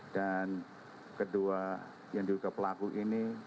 dan kedua yang diduga pelaku ini